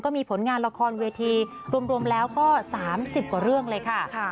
ก็มีผลงานละครเวทีรวมแล้วก็สามสิบกว่าเรื่องเลยค่ะค่ะ